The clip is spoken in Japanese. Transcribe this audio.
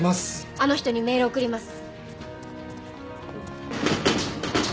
あの人にメール送ります。